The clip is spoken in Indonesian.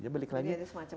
ya balik lagi